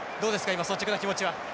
今率直な気持ちは。